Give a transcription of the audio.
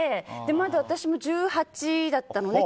まだ私も１８だったのね